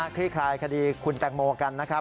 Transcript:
คลี่คลายคดีคุณแตงโมกันนะครับ